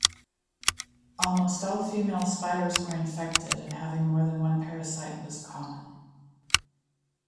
Almost all female spiders were infected and having more than one parasite was common.